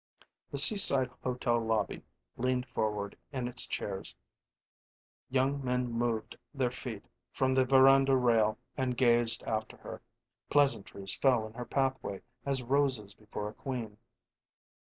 The Seaside Hotel lobby leaned forward in its chairs; young men moved their feet from the veranda rail and gazed after her; pleasantries fell in her pathway as roses before a queen.